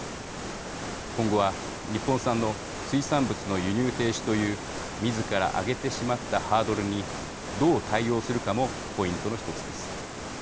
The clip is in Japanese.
今後は日本産の水産物の輸入停止というみずから上げてしまったハードルにどう対応するかもポイントの１つです。